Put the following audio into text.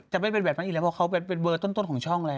ไม่เป็นแบบนั้นอีกแล้วเพราะเขาเป็นเบอร์ต้นของช่องแล้ว